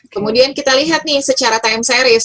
kemudian kita lihat nih secara time series